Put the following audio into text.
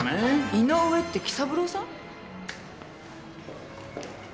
井上って紀三郎さん？